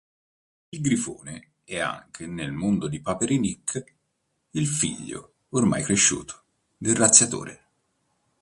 Il Grifone è anche, nel mondo di Paperinik, il figlio, ormai cresciuto, del "Razziatore".